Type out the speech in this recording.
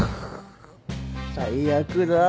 最悪だ。